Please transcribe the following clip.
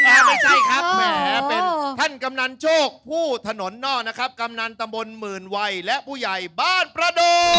ไม่ใช่ครับแหมเป็นท่านกำนันโชคผู้ถนนนอกนะครับกำนันตำบลหมื่นวัยและผู้ใหญ่บ้านประโด